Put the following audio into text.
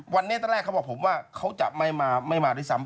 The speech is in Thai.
วันนี้ตั้งแต่แรกเขาบอกผมว่าเขาจะไม่มาไม่มาด้วยซ้ำ